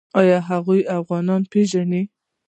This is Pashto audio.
آیا هغوی افغانۍ پیژني؟